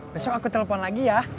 besok aku telepon lagi ya